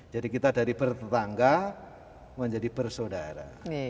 jadi kita dari bertangga menjadi bersaudara